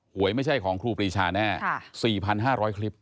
หวยไม่ใช่ของครูปรีชาแน่ค่ะสี่พันห้าร้อยคลิป